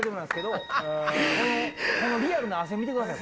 このリアルな汗見てください。